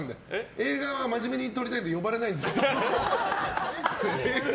映画は真面目に撮りたいんで呼ばれないんです。